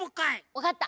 わかった。